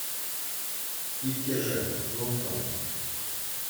Иккӗшӗ – ылтӑн.